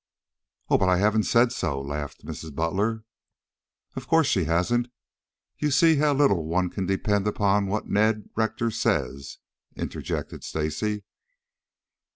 "Oh, but I haven't said so," laughed Mrs. Butler. "Of course she hasn't. You see how little one can depend upon what Ned Rector says," interjected Stacy.